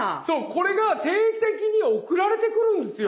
これが定期的に送られてくるんですよ。